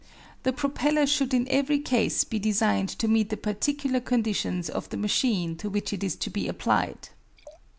The propeller should in every case be designed to meet the particular conditions of the machine to which it is to be applied.